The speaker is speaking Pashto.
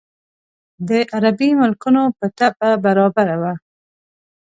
د عربي ملکونو په طبع برابره وه.